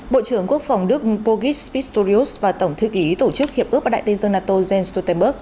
bộ trưởng quốc phòng đức bogis pistorius và tổng thư ký tổ chức hiệp ước và đại tên dân nato jens stoltenberg